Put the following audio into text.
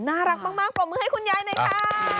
น่ารักมากปรบมือให้คุณยายหน่อยค่ะ